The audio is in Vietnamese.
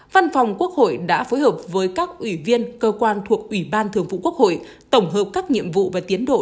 văn phòng quốc hội đã phối hợp với các ủy viên cơ quan thuộc ủy ban thường vụ quốc hội tổng hợp các nhiệm vụ và tiến độ